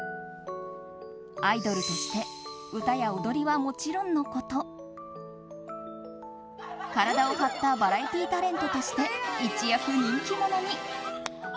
アイドルとして歌や踊りはもちろんのこと体を張ったバラエティータレントとして一躍人気者に。